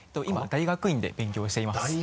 今は大学院で勉強をしています。